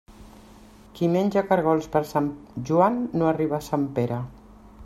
Qui menja caragols per Sant Joan no arriba a Sant Pere.